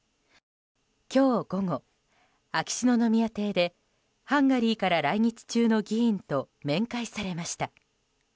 今日午後、秋篠宮邸でハンガリーから来日中の議員と面会されました。